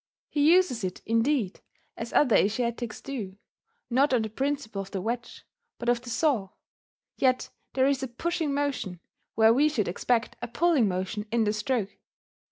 He uses it, indeed, as other Asiatics do, not on the principle of the wedge, but of the saw; yet there is a pushing motion where we should expect a pulling motion in the stroke